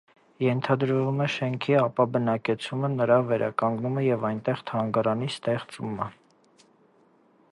Ենթադրվում է շենքի ապաբնակեցումը, նրա վերականգնումը և այնտեղ թանգարանի ստեղծումը։